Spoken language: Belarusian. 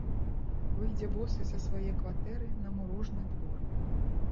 Выйдзе босы са свае кватэры на мурожны двор.